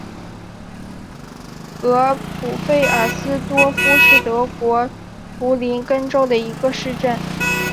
格普费尔斯多夫是德国图林根州的一个市镇。